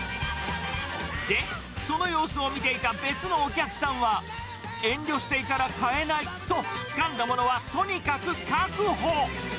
で、その様子を見ていた別のお客さんは、遠慮していたら買えないと、つかんだものはとにかく確保。